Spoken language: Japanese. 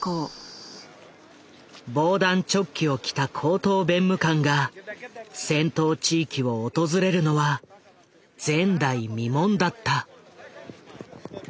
防弾チョッキを着た高等弁務官が戦闘地域を訪れるのは前代未聞だった。